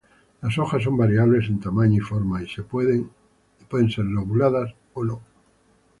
Las hojas son variables en tamaño y forma y pueden ser lobuladas o no.